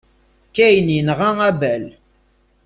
Kain yenɣa Abel.